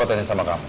bapak tanya sama kamu